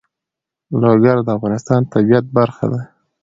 لوگر د افغانستان د طبیعت برخه ده.